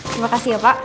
terima kasih ya pak